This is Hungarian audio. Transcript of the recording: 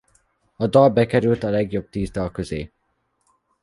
A dal bekerült a legjobb tíz dal közé.